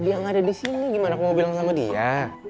dia nggak ada di sini gimana mau bilang sama dia